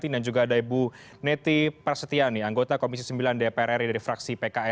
dan juga ada ibu neti prasetyani anggota komisi sembilan dprri dari fraksi pks